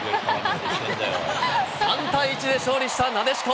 ３対１で勝利したなでしこ。